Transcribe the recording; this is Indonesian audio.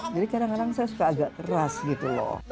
jadi kadang kadang saya suka agak keras gitu loh